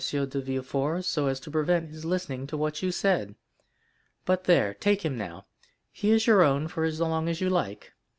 de Villefort, so as to prevent his listening to what you said. But there—now take him—he is your own for as long as you like.